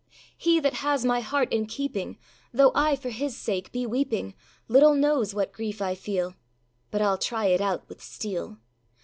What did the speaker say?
âHe that has my heart in keeping, Though I for his sake be weeping, Little knows what grief I feel; But Iâll try it out with steel.